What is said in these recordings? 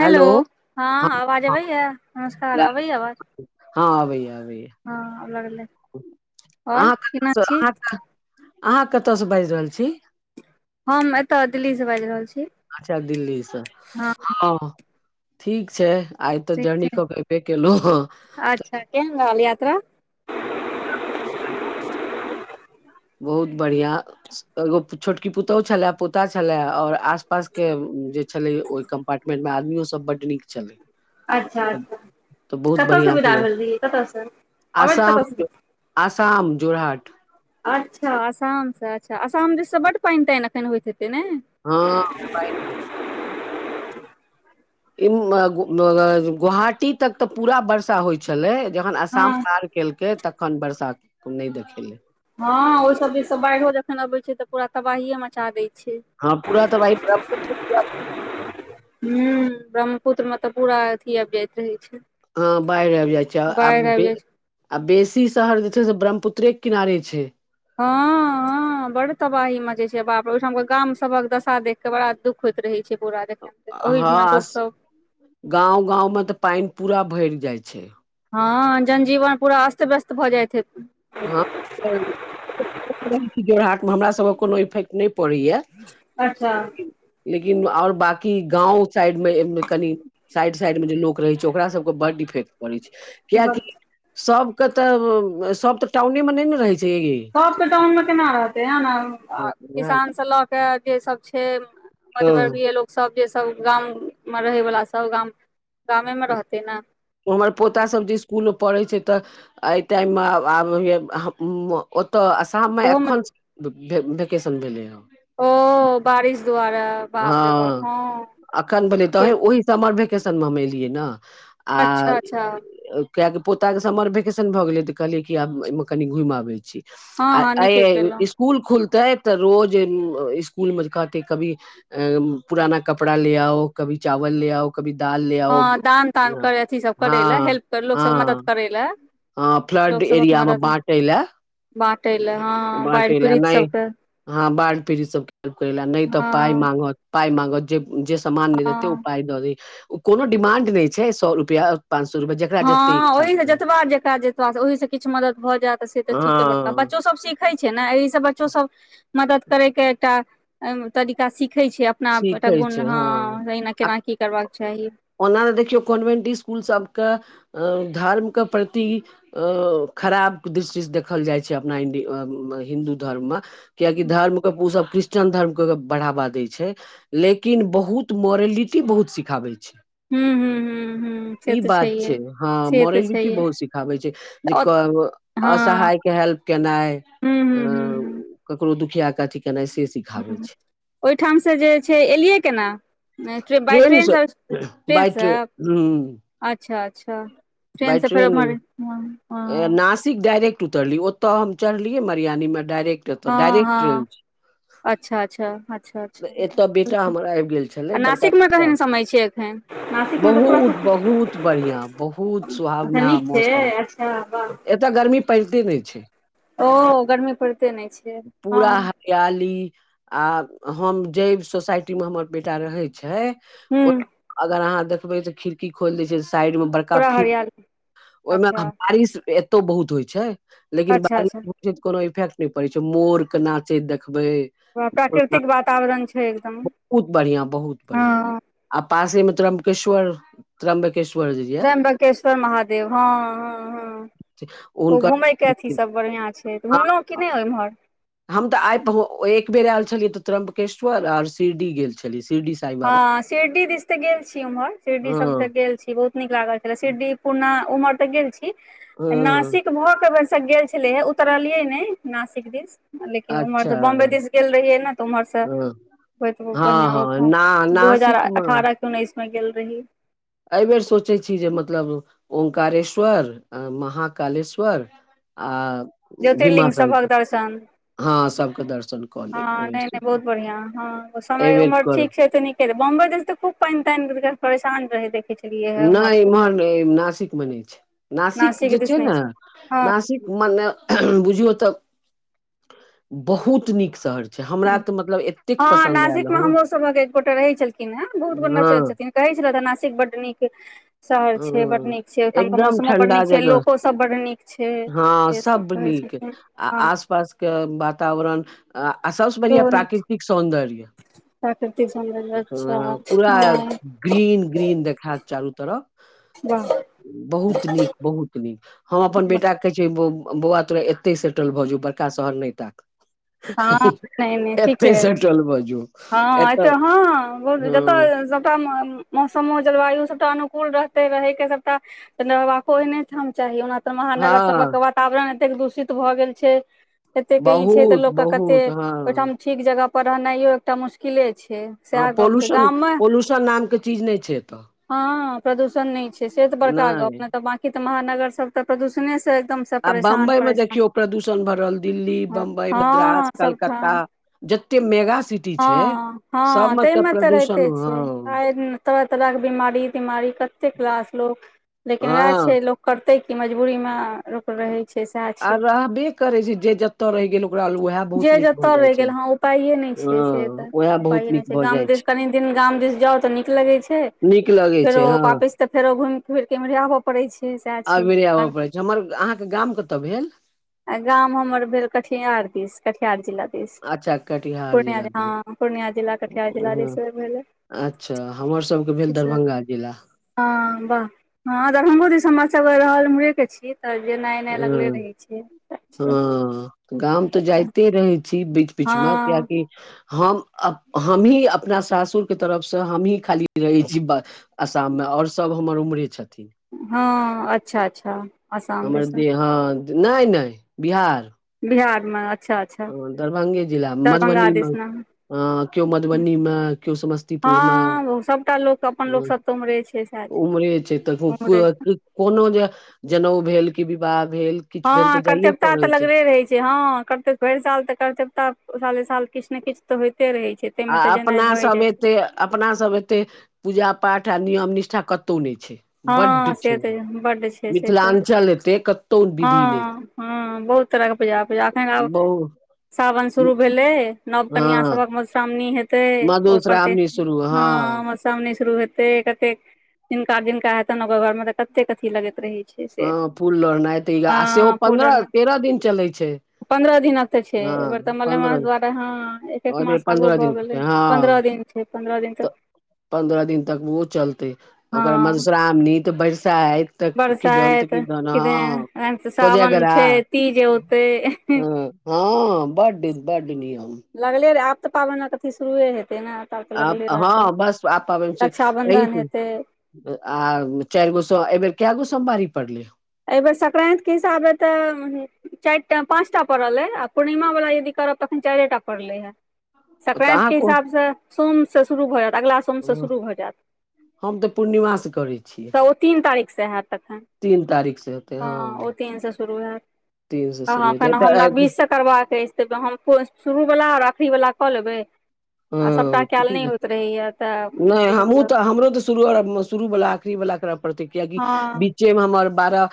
Hello हँ आवाज अबैया नमस्कार अबैया आवाज हँ अबैया अबैया हँ आब लगलै और अहां केना कतसँ छी अहांक अहाँ कतयसँ बाजि रहल छी हम एतय दिल्लीसँ बाजि रहल छी अच्छा दिल्लीसँ हँ ठीक छै आइ तऽ ठीक जर्नी छै क क एबे केलौं हं अच्छा केहन रहल यात्रा बहुत बढ़िया एगो छोटकी पुतहु छलए पोता छलए और आस पास के जे छले ओहि कम्पार्टमेंट में आदमीओ सब बड नीक छलै अच्छा अच्छा तऽ बहुत कतऽ से बढ़िआँ विदा छलै भेल रही कतऽ से अबैत आसाम कतऽ से आसाम जोरहाट अच्छा आसामसँ अच्छा आसाम दिस बड पानि तानि एखन होइत हेतै ने हँ पानि ई म अ गुवाहाटी तक तऽ पूरा वर्षा होइत छलै जखन आसाम हँ पार केलके तखन बर्षा क नै देखेलै हँ ओहि सब दीस स बाढ़ियो जखन अबै छै तऽ पूरा तबाहिये मचा दैय छै हँ पूरा तबाही ह्म ब्रह्मपुत्र मे तऽ पूरा अथि आबि जाइत रहै छै हँ बाढ़ि आबि जाइ छै बाढ़ि आब आबि बे जाइ छै आ बेसी शहर जे छै से ब्रह्मपुत्रेके किनारे छै हँ हँ बड तबाही मचै छै बाप रौ ओहिठामक गाम सभक दशा देख क बड़ा दुख होइत रहे छै पूरा देखैमे ओहिमे हँ लोक सब गाँंव गाँव मे तऽ पानि पूरा भरि जाइ छै हँ जनजीवन पूरा अस्त व्यस्त भऽ जाइत हेतै हँ छी जोड़हाट मे हमरा सबके कोनो इफेक्ट नहि पड़ैया अच्छा लेकिन और बाकी गाँव साइड मे एमे कनि साइड साइड मे जे लोक रहै छै ओकरा सबके बड इफेक्ट पड़ै छै कियाकि सभके तऽ सभ तऽ टाउनेमे नहि ने रहै छै यै सभ त टाउन मे केना रहते यहै न वैह किसान बात। से लऽ क जे सब छै हँ मध्यवर्गीय लोक सब जे सब गाममे रहै वला सब गाम गामेमे रहतै न हमर पोतासभ जे स्कुलमे पढ़ैत छै तऽ एहि टाइममे आब हैया हम म ओतऽ आसाम मे ओहोमे एखन भे भेकेेशन भेलै हन ओ बारिश दुआरय हँ एखन भेलै तऽ हैं ओहि समर वेकेशन में हम एलियै ने आ अच्छा अच्छा कियाकि पोता के समर वेकेशन भए गेले त कहलिये की आब एमे कनी घुमि आबै छी हँ आ हँ अइ नीके केलौं स् स्कूल खुलतै तऽ रोज स्कूल म जे कहतै कभी अ पुराना कपड़ा ले आओ कभी चावल ले आओ कभी दाल ले आओ हँ दान तान करे अथी सब करे ले हँ हेल्प कर लोक सब मदद हँ करे ले हँ फ्लड लोक सबक एरिया में मदद बाटैला बाँटे ले हँ बाढ़ि बांटैला पीड़ित नहि सबके हँ बाढ़ पीड़ीत सबके करैला नहि तऽ पाय हँ मांगत पाइ मांगत जे जे सामान नहि देते ओ हँ पाइ दऽ दै ओ कोनो डिमांड नहि छै सौ रुपैआ पच सो रूपैया जक हँ ओहि सँ जतबा जेकरा जेतबा ओहि सँ किछु मदद भऽ जायत से तऽ ठीके बड़का हँ बच्चो सब सीख होय छै न एहि सँ बच्चो सब मदद करय केँ एकटा एय तरीका सीखै छै नाक सीखै गुण छै हाँ हँ अहिना आ केना की करबाक चाही ओना तऽ देखियौ कॉन्वेंट इसकुल सब क धर्म केँ प्रति ओ खराब दृष्टि से देखल जाइ छै अपना इंड अ हिन्दू धर्मम कियेकि धर्मक ओ सभ क्रिश्चन धर्मक बढ़ावा दै छै लेकिन बहुत मॉरेलिटी बहुत सिखाबै छै हूँ हूँ हूँ हूँ से ई तऽ बात छैहे छै हाँ से तऽ मॉरेलिटी छैहे बहुत सिखाबै छै जे क अ हँ असहाय केँ हेल्प केनाय हूँ हूँ हूँ ककरो दुखिया क अथि केनाइ से सीख हु ओहिठाम से जे छै एलियै केना बाइ ट्रेन सँ बइ ट्रेन हुहु अच्छा अच्छा ट्रेन से फेरो ओमहर ओय नासिक डायरेक्ट उतरली ओतय हम चढ़लियै मरियानी मे डायरेक्ट एतय हँ डायरेक्ट ट्रेन हँ छै अच्छा अच्छा अच्छा एतय बेटा अच्छा हमर आबि गेल आ छलै बड़का नासिक मे बेटा केहन समय छै एखन नासिक मे तऽ पूरा बहुत बहुत बढ़िया बहुत सुहावना ए मौस अच्छा बाह एतऽ गर्मी पड़िते नहि छै ओ गर्मी पड़िते नहि छै पूरा हँ हा पियाली आ हम जै सोसायटी मे हमर बेटा रहय छै ओअ हूँ अगर अहाँ देखबय तऽ खिड़की खोली दै छै साइड मे बड़ पूरा काफी हरियाली ओहिमे क अच्छा बारिश ए बहुत होय छै लेकिन अच्छा बाल अच्छा कोनो इफेक्ट नहि पड़ै छै मोर केँ नाचैत देखबय पूरा प्राकृतिक वातावरण छै एकदम बहुत बढ़िया बहुत बढ़िया हँ आ पासे मे त्रम्बकेश्वर त्रम्ब केश्वर जे यऽ जम्बकेश्वर महादेव हँ हँ हँ से ओ हुनकर घुमय केँ अथी सभ बढ़िया छै हँ, घुमलहुँ कि नहि ओम्हर हम तऽ आइ भो एक बेेर आयल छलियै तऽ त्रम्बकेश्वर ओर सिडी गेल छलियै सिरडी साइड हाँ सिरडी दिस ते गेल छी उम्हर सिडी सब ते हँ गेल छी बहुत नीक लागल छलै सिरडी पूना उम्हर तऽ गेल छी हँ नासिक भऽ केँ बेर गेल छले हे उतरलियै नहि नासिक दिस लेकिन ओम्हर अच्छा तऽ बम्बे दिस गेल रहियै ने तऽ उम्हर सँ होइत हँ बढ़िया हँ ब ना दू हजार नासिक मे अठारह के उन्नैस मे गेल रही एहिबेर सोचै छी जे मतलब ओंकारेश्वर महाकालेश्वर आ-आ ज्योतिर्लिंग सभक दर्शन हँ सबके दर्शन कऽ लेब हँ नहि नहि एहिबेर बहुत बढ़िया हँ समय एहिबेर उमर करब ठीक छै तऽ नीक बोम्बइ दिस तऽ खूब पानि तानि बुझय परेसान रहै छलियै हे उम्हर नै तऽ इम्हर नासिक मे नहि छै नासिक जे दिस छै नहि न हँ नासिक मने बुझियौ तऽ बहुत नीक शहर छै हमरा तऽ मतलब एतेक हँ पसन्द आयल नासिक मे हँ हमरो सभक एक गोटाे रहै छलखिन हेँ बहुत गो नचल हँ छथिन कहै छलथि ह तऽ नासिक बड्ड नीक शहर छै बड़ हँ नीक छै ओहिठामके एकदम मौसमो बडड़ ठण्डा नीक छै जगह लोको सब बड़ नीक छै हँ से सब कहै नीक छथिन हँ आस पासके वातावरण आ सबस बढ़िआ सेहो नीक छै प्राकृतिक सौंन्दर्य प्राकृतिक सौन्दर्य अच्छा पूरा हँ ग्रीन ग्रीन देख चारू तरफ वाह बहुत नीक बहुत नीक हम अपन वाह बेटाकेँ कहै छियैौ बौआ तोरा एते सेटल भऽ जो बड़का शहर नहि ताक हँ नहि नहि ठीके एते अइ सेटल भऽ जो हँ एतऽ हँ हँ जतय सम मौसमो जलवायु सबटा अनुकूल रहते रहे के सबटा त नेबाको ओहिने ठाम चाही ओना महानगर सभक के हँ वातावरण एतेक दूषित भऽ गेल छै एतेक ई छै तऽ बहुत लोक के कते बहुत हँ ओहिठाम ठीक जगह पर रहनाइयो एकटा मुश्किले छै हँ सएह गप छै पोलुशन गाममे पोल्युशन नामके चीज नहि छै एतऽ हँ प्रदूषण नहि छै से तऽ बड़का गप नहि तऽ बंकी तऽ महानगर सब तऽ प्रदूषणे से एकदम से आ परेशान बम्बइ मे परेशान देखियौ प्रदूषण भरल दिल्ली हँ बम्बइ हँ मद्रास सबठाम कलकत्ता जत्ते मेगा सिट हँ हँ ताहि मे तऽ रहिते छ हँ आ तरह तरह के बिमारी तिमारी कतेक लास लो लेकिन उएह छै हँ लोक करतै कि मजबूरीमे लोक रहै छै सएह आ छै रहबे करै छै जे जतय रहि गेल ओकरा ल उएह बहुत नीक भऽ जाइत छै पाइए नहि छै से हँ तऽ उएह बहुत उपाये नहि नीक छै भऽ गाम जाइ दिस छै कनि दिन गाम दिस जाउ तऽ नीक लगै छै नीक लगै फेरो छै हँ वापिस तऽ फेरो घुमि फिर कऽ एम्हे आबय पड़ैत छै सएह छै अबेरे आबय पड़ै छै हमर अहाँके गाम कतऽ भेल गाम हमर भेल कटिहार दिस कटिहार जिला दिस अच्छा कटिहार जिला दिस पूणिया जिलाक ह अच्छा हमर सबके भेल से सब दरभंगा जिला हँ वाह हँ दरभ्ंगो दिस हमर सभ रहल उमुरेके छिय तर जेनाय ह हँ गाम तऽ जाइते रहै छी बीच बिचमे किया हँ की हम हमही अपना सासुरके तरफसँ हमही खाली रहै छी बस असाममे आओर सभ हमर उमरे छथिन हँ अच्छा अच्छा आसाम हमर दिसन दे हँ नहि नहि बिहार बिहारमे अच्छा अच्छा हँ दरभ्ंगे जिला दरभंगा मधुबनीमे दिसना हँ केओ मधुबनी मे केओ समस्तीपुर मे हँ सभटा लोक अपन हँ लोक सब तऽ उम्हरे छै सएह छै उमर छै तऽ उम्हरे कोनो जे जनेउ भेल कि विवाह भेल किछु भेल तऽ हँ जाइए कर्तव्यता तऽ पड़ै छै लगले रहे छै हँ कर्तव्य भरि साल तऽ करर्तवता साले साल किछु ने किछ तऽ होयते रहे छै आ ताहिमे तऽ जेनाइ भए अपनासभ जाइ छै एतेक अपना सब एते पूजा पाठ आ नियम निष्ठा कतहु नहि छै हँ बड्ड से छै तऽ बड्ड छै से तऽ मिथिलाञ्चल एते कतहु हँ विधि नहि छै हँ बहुत तरहके पुजा पुजा एखन आब बहुत सावन शुरू भेले नव कन्य हँ सभक मधुश्रावणी हेते ओ करत मधुश्रावणी शुरू हँ हमरा सभ सामने शुरू हेते कते जिनका जिनका हेतनि ओ घर मे तऽ कते अथी लगैत रही हँ फूल लोढ़नाइ तऽ ई आ सेहो फूल पन्द्रह आर तेरह दिन चलैत छैय। पन्द्रह दिन तऽ छैय एहि बेर तऽ मलेमास दुआारे हँ। एक एक ओहिमे मास आगू पन्द्रह भऽ दिन के छै, गेलै पन्द्रह दिन छैय पन्द्रह दिन तऽ। पंद्रह दिन तक ओहो चलते हँ ओकर मधुश्रावणी तऽ बरसाइत। तऽ कि दन तऽ बरसाइत कि दन हँ किदैन सावन कोजगरा छै तीज औतै ह। हँ बड ब्ड नियम। लगले रहै आब तऽ पाबनि कथी शुरुए हेतै ने। तब तऽ आ लगले रहतै हँ बस आ अहि रक्षाबंधन हेतै आ चारि गो स एहि बेर क गो सोमवारी पड़ले? एहि बेेर सक्रान्तिके हिसाब हे तऽ चारि टा पाँच टा पड़ल अइ आ पूर्णिमा वालला यदि करब तखन चारिे टा पड़लै हे। तऽ संक्राइत अहाँ के को हिसाब से सोम से शुरू भऽ जायत अगिला सोम से शुरु हो जायत हम तऽ पूर्णिमा से करै छियै त ओ तीन तारीख से होयत तखैन। तीन तारीख से। हँ ओ तीन से शुरू होयत तीन से शुरू अहाँ हेतै हमरा बीस से करबाक अछि तऽ हम शुरूवला आ अखरी वला कऽ लेबै आ सभटा हँ कयल नहि होइत रहैए तऽ सेहोसभ शुरूर शुरू वला आखिरी बला प्रतिक्रिया हँ जामे हमर बारह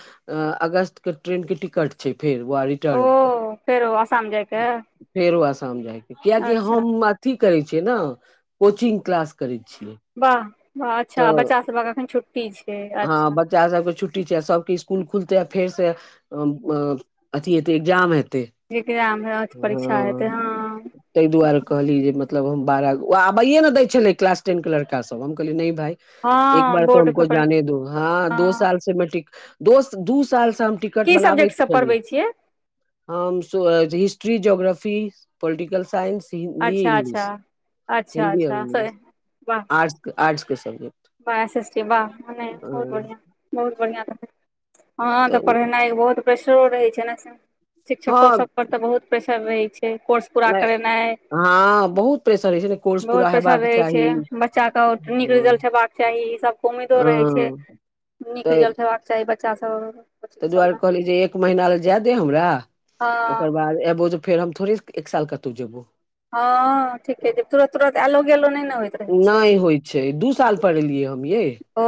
अगस्त के ट्रेनक के टिकट छैय फेर व रिटर्न ओ फेर ओ असाम जाइ फेर ओ आसाम जाइके कियाकि अच्छा हम अथी करै छियै ने कोचिंग क्लास करै छियै। वाह वाह अच्छा तऽ बच्चा सभक एखन छुट्टी छैय अच्छा। चा सबके छुट्टी छैय सभ सबके इसकुल खुलतेै फेरसँ अ अथी हेतै एग्जाम हेतै। जेकरामे परीक्षा हँ हेतै हँ। ताहि दुआरे कहली जे मतलब हम बारह आबैये ने दै छलेै क्लास टेन के लड़का सब हम कहलियै न भाय। एक हँ बार त बोर्ड के हमको परीक्षा जाने द हँ दो साल से मे ट द दू साल से हम टिक टिकट की बनाबै सब्जेक्ट सब छलि। पढ़बै छियै हम history geography political science Hindi अच्छा अच्छा इंगलिश अच्छा हिन्दी और अच्छा से इंग्लिश आर्ट्स आर्ट्स के सब्जेक्ट। बाहस वाह बहुत हँ बढ़िया बहुत बढ़िया। हँ तऽ पढ़ेनाइ बहुत प्रेशरो रहै छैय ने। शिक्षको हँ सभपर तऽ बहुत प्रेशर रहै छैय कोर्स पूरा नहि करेनाइ। हँ बहुत प्रेशर होइ छै ने कोर्स बहुत पूरा प्रेशर हेबाक रहै चाही छैय बच्चा के नीक रिजल्ट हँ हेबाक चाही। सबके उम्मीदो रहै छैय हँ नीक तऽ रिजल्ट हेबाक चाही बच्चा सब कोचिंग ताहि दुआरे सबमे कहली जे एक महीना ल जाय दे हमरा हँ ओकर बाद एबो जे फेर हम थोड़े एक साल कतहु जेबौ। हँ ठीके छैय तुरत तुरंत एयलो गेलो नहि ने होइत रहय नहि होइ छैय दु साल पर एलियै हम ये। ओ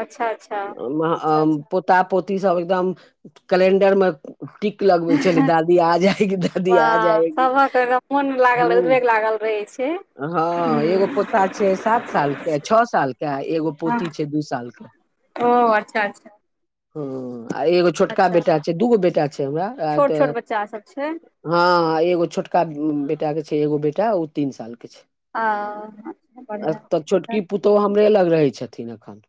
अच्छा अच्छा अच्छा अच्छा पोता पोती सब एकदम कैलेंडर मे टी क लगबै छल दादी आ जाएगी दादी आ वाह जाएगी सभक एकदम मोन लागल ह। उद्वेग लागल रहै छै हँ एगो पोता छैय सात साल के छओ साल के एगो ह पोती छैय दू साल के। ओ अच्छा अच्छा हँ आ एगो छोटका अच्छा बेटा छैय दूगो बेटा छैय हमरा आ छोट छोट तऽ बच्चा सब छै हँ एगो छोटका बेटााके छैय एगो बेटा ओ तीन साल के छैय। आ बढ़िया एतऽ छोटकी पुतोहु हमरे लग रहै छथिन एखन।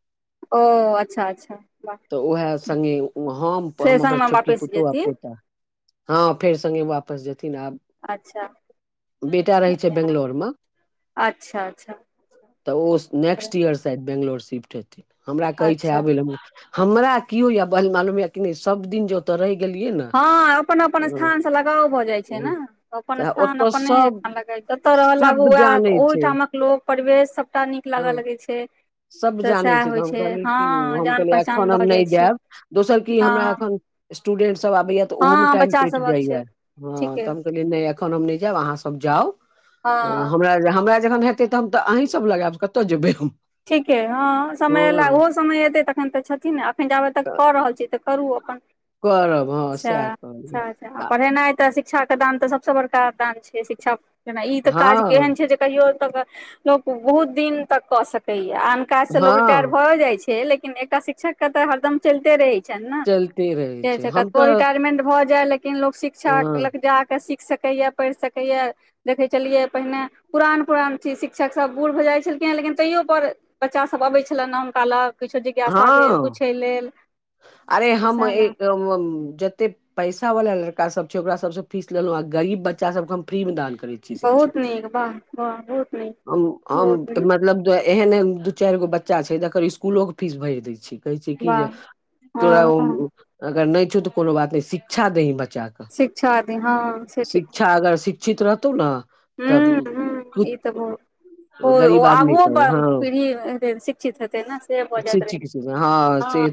ओ अच्छा अच्छा वाह तऽ उएह सङ्गे हम फेर हम संगमे छोटकी वापिस पुतहु आ जेती पोता हँ फेर सगे वापस जेथिन आब अच्छा बेटा रहै छैय बढ़िया बेंगलोर मे। अच्छा अच्छा तऽ ओ next year side Bangalore shift हेन हमरा कहै छैय अच्छा आबै ल हमरा कियौ या बल मालूम या कि नहि सब दिन जो तऽ रहि गेलियै न हँ अपन अपन स्थान से लगाव भऽ जाय छैय न हँ, अपन तऽ स्थान ओतऽ अपने सब जतय रहऽ लागू सब वएह जानै ओह छै ठामक लोको परिवेश सबटा नीक हँ लागऽ लगै छैय। सब जानै छैय तऽ हम कहलिय कि हम जान कहली पहचान एखन हम भऽ जाइ नहि छै जायब दोसर की हँ हमरा अखन स्टूडेंट सब आबैया तऽ ओहो मे हँ टाइम बच्चा भेट सबक छै जाइया ह ठीके त अखन हम नैय जाएब आहा सब जाउ हँ हमरा जखन हे त हम तऽ अही सब लग आयब कत जेबै हम? ठीकेइ हँ समय अयला हँ ओहो समय एतै तखन तऽ छथिन ने अखन जा आब तक कऽ रहल छी तऽ करू अपन। गरब हँ अच्छा सैह अच्छा अच्छा आ कहब। पढ़ेनाइ तऽ शिक्षाके दान तऽ सबसँ बड़का दान छैय शिक्षा जेना ई तऽ काज हँ केहन छैय जे कहियो त लोक बहुत दिन तक कऽ सकैया आ काज से लग रिटायर हँ भए जाय छैय लेकिन एका शिक्षक के तऽ हरदम चलते रहै चलिते रहै छै हम तऽ रिटायरमेंट भ जा लेकिन ल शिक्षा [inaudible] हँ केऽ सीख सकैए पढ़ि सकैए। देखै छलियै पहिने पुरान पुरान शिक्षकसभ बुढ़ भऽ जाय छलखिन हेँ लेकिन तैयो र बच्चासभ अबैत छलै न हुनका लग किछो जिज्ञासा भेल हँ पूछैय लेल। अरे हम सएह ने एक जते पैसा वाल लड़का सब छैय ओकरा सब से फीस लेलौ आ गरीब बच्चा सब के हम फ्री में दान करय बहुत नीक वाह वाह बहुत नीक हम हम तऽ ओके मतलब एहन ए दू चारि गो बच्चा छैय तकर इसकुलोे फीस भरि दै छी कहै छी कि वाह जे तोरा हँ हँ ओ अगर नहि छौ तऽ कोनो बात नहि शिक्षा दही बच्चाके। शिक्षा आदी हँ से ठीक शिक्षा अगर शिक्षित रहतौ न तऽ हूँ हूँ ई तऽ बहुत ओ ओ गरीब आदमी आगुओ हँ ब- पीढ़ी हेतै, शिक्षित हेतै ने से भऽ जाइत रहै हँ हँ से